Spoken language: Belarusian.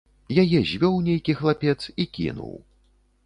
Яе звёў нейкі хлапец і кінуў.